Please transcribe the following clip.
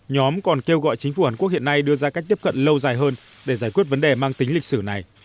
nhóm còn kêu gọi chính phủ hàn quốc hiện nay đưa ra cách tiếp cận lâu dài hơn để giải quyết vấn đề mang tính lịch sử này